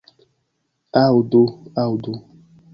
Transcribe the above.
Aŭdu, aŭdu.